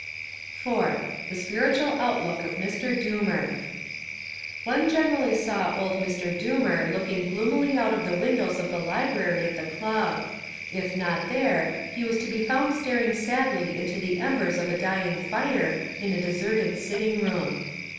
4. The Spiritual Outlook of Mr. Doomer One generally saw old Mr. Doomer looking gloomily out of the windows of the library of the club. If not there, he was to be found staring sadly into the embers of a dying fire in a deserted sitting room.